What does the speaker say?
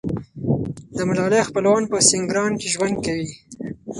د ملالۍ خپلوان په سینګران کې ژوند کوي.